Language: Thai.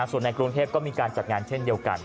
ส่วนในกรุงเทพก็มีการจัดงานเช่นเดียวกัน